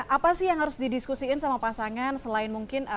apa sih yang harus didiskusiin sama pasangan selain mungkin